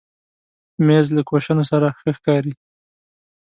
مېز له کوشنو سره ښه ښکاري.